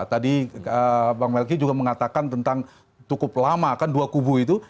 tadi bang melki juga mengatakan tentang cukup lama kan dua kubu itu